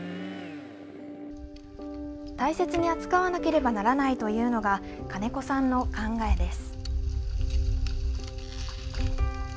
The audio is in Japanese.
大切に扱わなければならないというのが、金子さんの考えです。